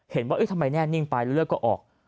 เห็นว่าเอ๊ะทำไมแน่นิ่งไปเรื่อยก็ออก